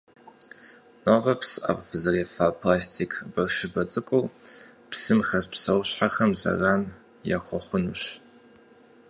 Нобэ псыӏэф фызэрефа пластик бащырбэ цӏыкур, псым хэс псуэщхьэхэм заран яхуэхъунущ.